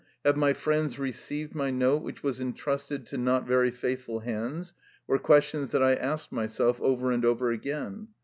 Have my friends re ceived my note which was entrusted to not very faithful hands?" were questions that I asked myself over and over again.